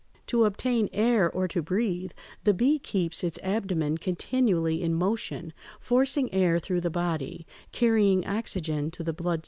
To obtain air, or to breathe, the bee keeps its abdomen continually in motion, forcing air through the body, carrying oxygen to the blood tissues.